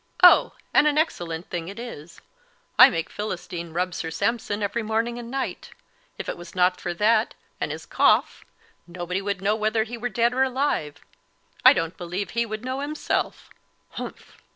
"Oh, and an excellent thing it is; I make Philistine rub Sir Sampson every morning and night. If it was not for that and his cough, nobody would know whether he were dead or alive; I don't believe he would know himself humph!"